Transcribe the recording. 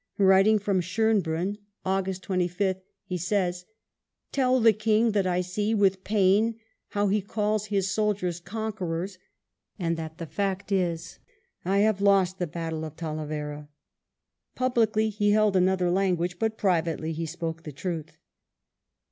Writing from Schonbrunn, August 25th, he says, ^* Tell the King that I see with pain how he calls his soldiers conquerors; and that the fact is, I have lost the battle of Talavera." Publicly he held another language, but privately he spoke the truth.